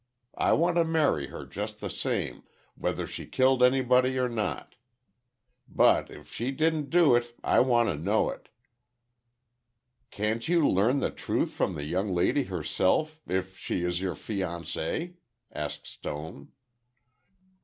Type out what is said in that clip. I want to marry her just the same, whether she killed anybody or not. But if she didn't do it, I want to know it." "Can't you learn the truth from the young lady herself—if she is your fiancee?" asked Stone.